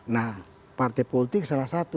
nah partai politik salah satu